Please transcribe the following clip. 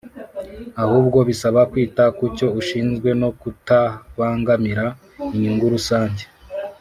ahubwo bisaba kwita ku cyo ushinzwe no kutabangamira inyungu rusange